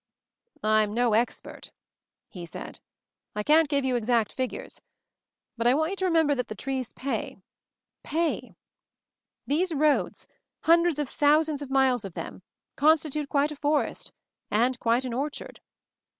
"I'm no expert," he said. "I can't give you exact figures. But I want you to re member that the trees pay. Pay! These roads, hundreds of thousands of miles of them, constitute quite a forest, and quite an orchard.